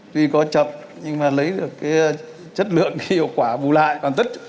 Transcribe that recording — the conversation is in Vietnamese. tuy có chậm nhưng mà lấy được cái chất lượng cái hiệu quả bù lại còn tất